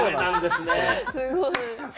すごい。